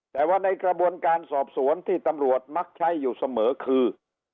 แต่ว่าในกระบวนการสอบสวนที่ตำรวจมักใช้อยู่เสมอคือ